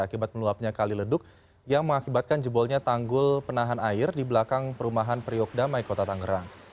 akibat meluapnya kali leduk yang mengakibatkan jebolnya tanggul penahan air di belakang perumahan priok damai kota tangerang